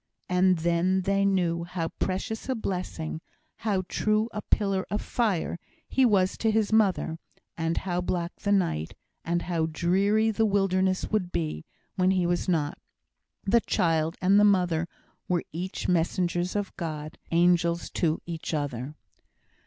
And then they knew how precious a blessing how true a pillar of fire, he was to his mother; and how black the night, and how dreary the wilderness would be, when he was not. The child and the mother were each messengers of God angels to each other.